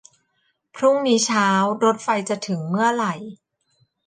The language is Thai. พรุ่งนี้เช้ารถไฟจะถึงเมื่อไหร่